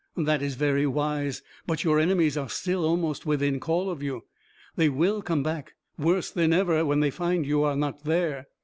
"That is very wise. But your enemies are still almost within call of you. They will come back worse than ever when they find you are not there."